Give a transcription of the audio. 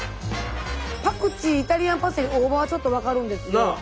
パクチーイタリアンパセリ大葉はちょっと分かるんですよ。